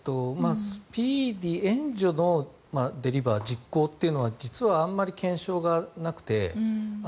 スピーディー援助のデリバー、実行というのは実はあまり検証がなくて。